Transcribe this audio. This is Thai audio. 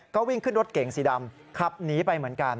ก็วิ่งขึ้นรถเก่งสีดำขับหนีไปเหมือนกัน